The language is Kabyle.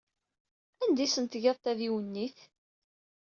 Anda ay asent-tgiḍ tadiwennit?